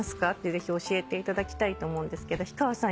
ぜひ教えていただきたいと思うんですけど氷川さん